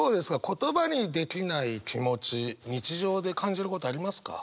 言葉にできない気持ち日常で感じることありますか？